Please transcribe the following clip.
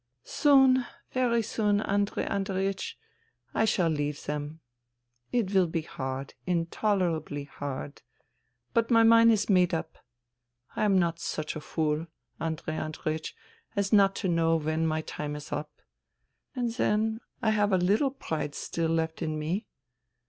..." Soon, very soon, Andrei Andreiech, I shall leave them. It will be hard ... intolerably hard. But my mind is made up. I am not such a fool, Andrei Andreiech, as not to know when my time is up. And then I have a little pride still left in me.